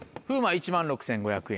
１万６５００円。